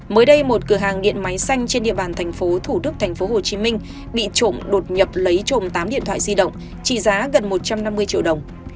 mới đây một cửa hàng nghiện máy xanh trên địa bàn thành phố thủ đức thành phố hồ chí minh bị trộm đột nhập lấy trộm tám điện thoại di động trị giá gần một trăm năm mươi triệu đồng